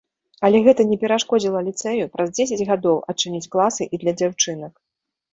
Але гэта не перашкодзіла ліцэю, праз дзесяць гадоў, адчыніць класы і для дзяўчынак.